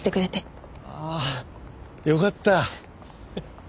ああよかった。